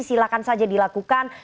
silahkan saja dilakukan